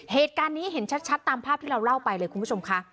เหตุการณ์นี้เห็นชัดตามภาพที่เราเล่าไปเลยคุณผู้ชมค่ะ